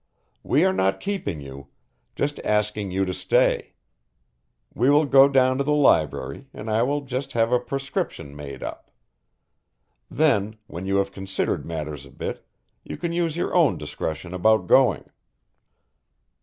We are not keeping you, just asking you to stay. We will go down to the library and I will just have a prescription made up. Then, when you have considered matters a bit you can use your own discretion about going."